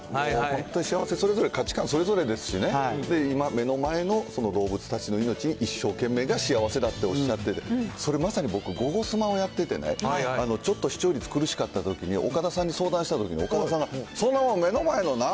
本当に幸せ、それぞれ価値観それぞれですしね、今、目の前の動物たちの命に一生懸命が幸せだっておっしゃってて、それ、まさに僕、ゴゴスマをやっててね、ちょっと視聴率苦しかったときに岡田さんに相談したときに、岡田さんが、そんなん目の前のな、